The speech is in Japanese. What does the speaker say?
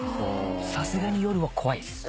さすがに夜は怖いです。